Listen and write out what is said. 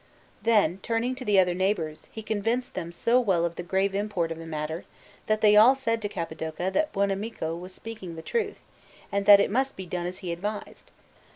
Then, turning to the other neighbours, he convinced them so well of the grave import of the matter, that they all said to Capodoca that Buonamico was speaking the truth and that it must be done as he advised.